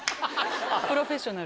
プロフェッショナル。